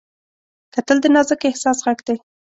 کتل د نازک احساس غږ دی